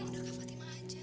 udah kak fatimah aja